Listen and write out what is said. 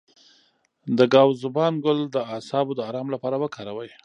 د ګاو زبان ګل د اعصابو د ارام لپاره وکاروئ